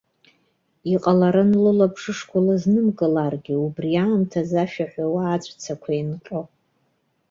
Иҟаларын лылабжышқәа лызнымкыларгьы, убри аамҭазы ашәа ҳәауа, аҵәцақәа еинҟьо.